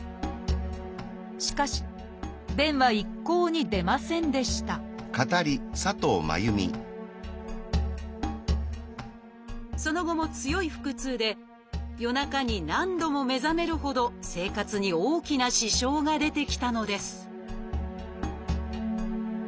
しかし便は一向に出ませんでしたその後も強い腹痛で夜中に何度も目覚めるほど生活に大きな支障が出てきたのです